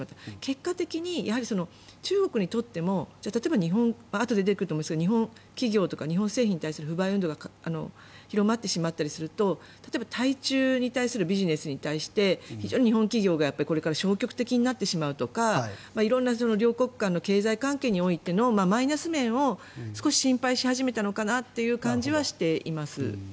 結果的に中国にとってもあとで出てくると思いますが日本企業とか製品に対する不買運動が広まってしまったりすると例えば対中に対するビジネスについて非常に日本企業が、これから消極的になってしまうとか色んな両国間の経済関係においてのマイナス面を少し心配し始めたのかなという気はしています。